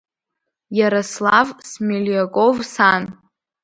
Иарослав Смелиаков Сан…